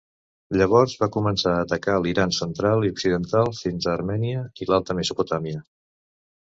Llavors va començar a atacar l'Iran central i occidental fins a Armènia i l'alta Mesopotàmia.